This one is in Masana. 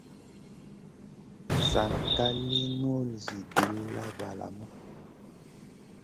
San ka lì nul Zi dilla valamu.